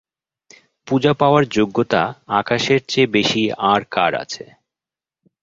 পূজা পাওয়ার যোগ্যতা আকাশের চেয়ে বেশি আর কার আছে?